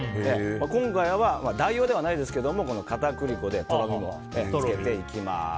今回は、代用ではないですけどこの片栗粉でとろみをつけていきます。